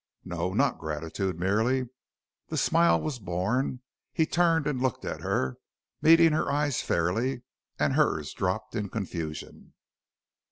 No, not gratitude merely. The smile was born. He turned and looked at her, meeting her eyes fairly, and hers dropped in confusion.